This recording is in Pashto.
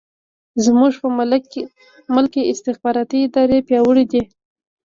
زموږ په ملک کې استخباراتي ادارې پیاوړې دي.